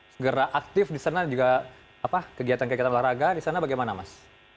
segera aktif di sana juga kegiatan kegiatan olahraga di sana bagaimana mas